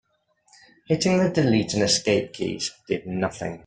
Hitting the delete and escape keys did nothing.